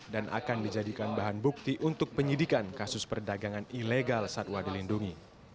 dan akan dijadikan bahan bukti untuk penyidikan kasus perdagangan ilegal satwa dilindungi